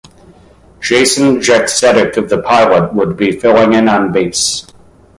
Jason Jaksetic of The Pilot would be filling in on bass.